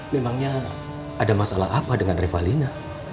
memangnya ada masalah apa dengan revalinya